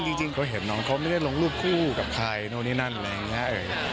เพราะเห็นน้องเขาไม่ได้ลงรูปคู่กับใครโน้นนี่นั่นอะไรอย่างเงี้ย